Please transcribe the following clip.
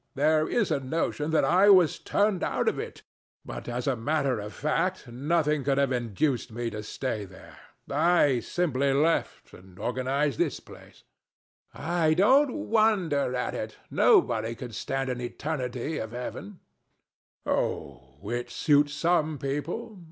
There is a notion that I was turned out of it; but as a matter of fact nothing could have induced me to stay there. I simply left it and organized this place. THE STATUE. I don't wonder at it. Nobody could stand an eternity of heaven. THE DEVIL. Oh, it suits some people.